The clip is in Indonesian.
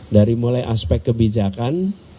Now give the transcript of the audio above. dari mulai aspek kebijakan